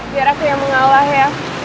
biar aku yang mengalah ya